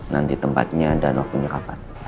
nanti tempatnya dan waktunya kapan